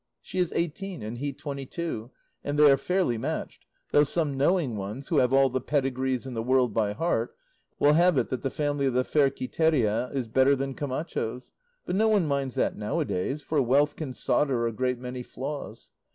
She is eighteen, and he twenty two, and they are fairly matched, though some knowing ones, who have all the pedigrees in the world by heart, will have it that the family of the fair Quiteria is better than Camacho's; but no one minds that now a days, for wealth can solder a great many flaws.